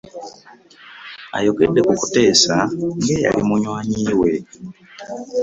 Ayogedde ku Kuteesa ng'eyali munywanyi we